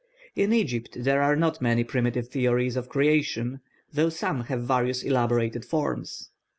In Egypt there are not many primitive theories of creation, though some have various elaborated forms.